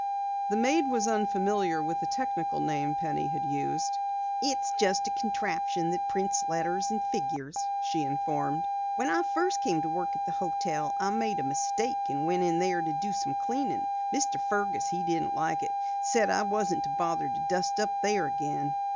The maid was unfamiliar with the technical name Penny had used. "It's just a contraption that prints letters and figures," she informed. "When I first came to work at the hotel I made a mistake and went in there to do some cleaning. Mr. Fergus, he didn't like it and said I wasn't to bother to dust up there again."